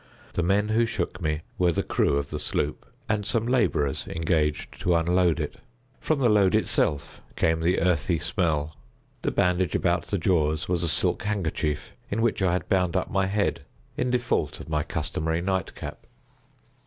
The men who shook me were the crew of the sloop, and some laborers engaged to unload it. From the load itself came the earthly smell. The bandage about the jaws was a silk handkerchief in which I had bound up my head, in default of my customary nightcap.